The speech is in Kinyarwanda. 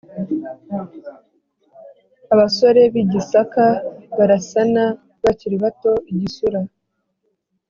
Abasore b'i Gisaka barasana bakiri bato-Igisura.